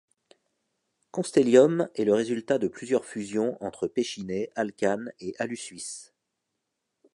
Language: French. Constellium est le résultat de plusieurs fusions entre Pechiney, Alcan et Alusuisse.